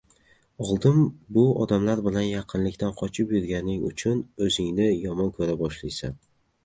Oldin bu odamlar bilan yaqinlikdan qochib yurganing uchun oʻzingni yomon koʻra boshlaysan.